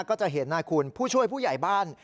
ก็จะเห็นนะคุณผู้ช่วยผู้ใหญ่บ้าน